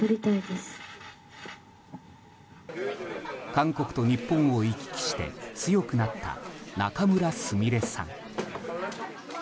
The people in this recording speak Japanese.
韓国と日本を行き来して強くなった仲邑菫さん。